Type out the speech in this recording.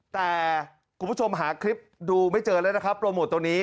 แต่คุณผู้ชมหาคลิปดูไม่เจอแล้วนะครับโปรโมทตรงนี้